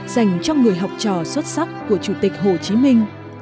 dành cho người học trò xuất sắc của chủ tịch hồ chí minh